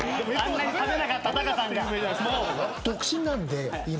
独身なんで今。